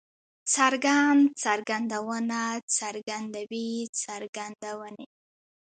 څرګند، څرګندونه، څرګندوی، څرګندونې